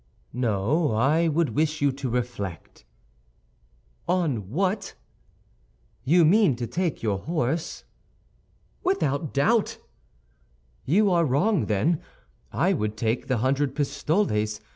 "No, I would wish you to reflect." "On what?" "You mean to take your horse?" "Without doubt." "You are wrong, then. I would take the hundred pistoles.